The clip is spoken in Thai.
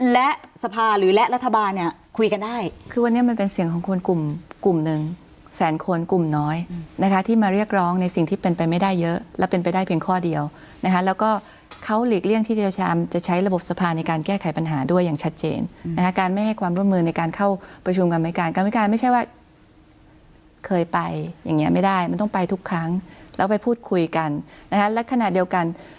และสภาหรือและรัฐบาลเนี่ยคุยกันได้คือวันนี้มันเป็นเสียงของคนกลุ่มกลุ่มหนึ่งแสนคนกลุ่มน้อยนะคะที่มาเรียกร้องในสิ่งที่เป็นไปไม่ได้เยอะและเป็นไปได้เพียงข้อเดียวนะคะแล้วก็เขาหลีกเลี่ยงที่เจ้าชามจะใช้ระบบสภาในการแก้ไขปัญหาด้วยอย่างชัดเจนนะคะการไม่ให้ความร่วมมือในการเข้าประชุมกรรมการก